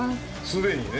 すでにね。